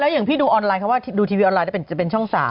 อย่างพี่ดูออนไลน์เขาว่าดูทีวีออนไลจะเป็นช่อง๓